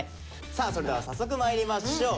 さあそれでは早速まいりましょう。